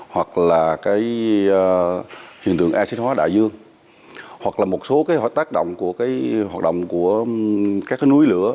hoặc là hiện tượng acid hóa đại dương hoặc là một số tác động của hoạt động của các núi lửa